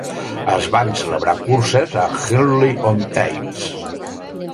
Es van celebrar curses a Henley-on-Thames.